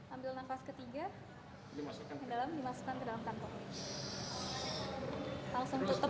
ambil nafas ketiga di dalam dimasukkan ke dalam kantung